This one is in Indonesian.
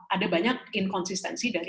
ada banyak kebosan dari